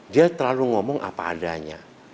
dia terlalu ngomong apa adanya